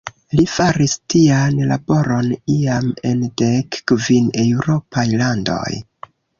Li faris tian laboron iam en dek kvin eŭropaj landoj.